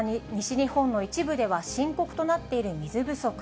そんな西日本の一部では、深刻となっている水不足。